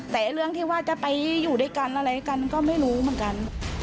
แต่เรื่องที่ว่าจะไปอยู่ด้วยกันอะไรด้วยกันก็ไม่รู้เหมือนกัน